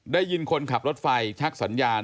ได้ยินคนขับรถไฟชักสัญญาณ